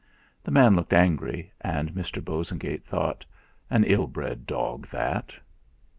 The man looked angry, and Mr. Bosengate thought: 'An ill bred dog, that!'